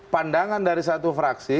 pandangan dari satu fraksi